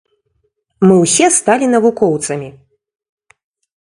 Мы ўсе сталі навукоўцамі.